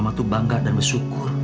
mama tuh bangga dan bersyukur